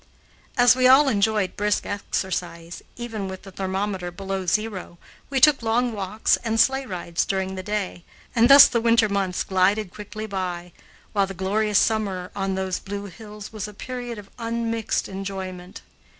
As we all enjoyed brisk exercise, even with the thermometer below zero, we took long walks and sleighrides during the day, and thus the winter months glided quickly by, while the glorious summer on those blue hills was a period of unmixed enjoyment.